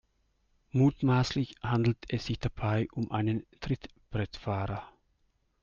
Mutmaßlich handelt es sich dabei um einen Trittbrettfahrer.